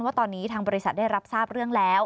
ว่าตอนนี้ทางบริษัทได้รับทราบเรื่องแล้ว